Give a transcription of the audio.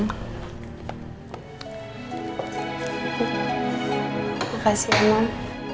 terima kasih emang